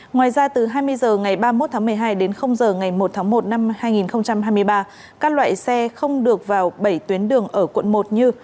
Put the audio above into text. ngoài ra từ hai mươi h ngày ba mươi một tháng một mươi hai đến giờ ngày một tháng một năm hai nghìn hai mươi ba các loại xe không được vào bảy tuyến đường ở quận một như